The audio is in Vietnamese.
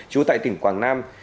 trú tại tỉnh quảng nam